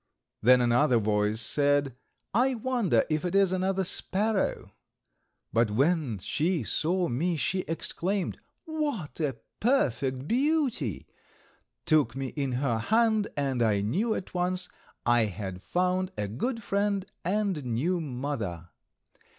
Then another voice said: "I wonder if it is another sparrow;" but when she saw me she exclaimed, "What a perfect beauty!" took me in her hand and I knew at once I had found a good friend and new mother.